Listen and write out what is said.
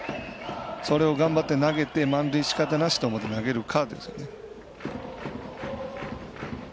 それを頑張って投げて満塁しかたなしと思って投げるか。